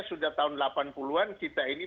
sudah tahun delapan puluh an kita ini